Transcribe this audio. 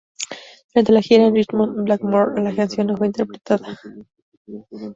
Durante la gira con Ritchie Blackmore, la canción no fue interpretada.